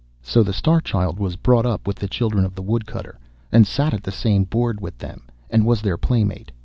So the Star Child was brought up with the children of the Woodcutter, and sat at the same board with them, and was their playmate.